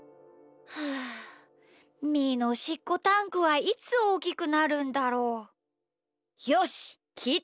はあみーのおしっこタンクはいつおおきくなるんだろう？よしっきいてみよう！